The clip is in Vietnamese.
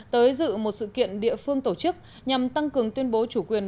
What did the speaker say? tới dự một sự kiện địa phương tổ chức nhằm tăng cường tuyên bố chủ quyền